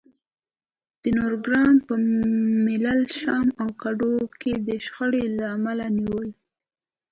د نورګرام په ملیل، شام او کندو کې د شخړې له امله نیولي